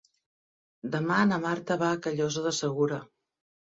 Demà na Marta va a Callosa de Segura.